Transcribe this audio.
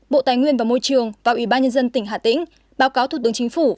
bộ tài nguyên và môi trường và ủy ban nhân dân tỉnh hà tĩnh báo cáo thủ tướng chính phủ